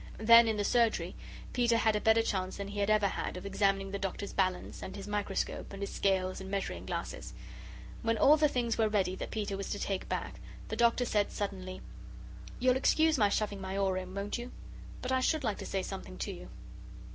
Then in the surgery Peter had a better chance than he had ever had of examining the Doctor's balance, and his microscope, and his scales and measuring glasses. When all the things were ready that Peter was to take back, the Doctor said suddenly: "You'll excuse my shoving my oar in, won't you? But I should like to say something to you."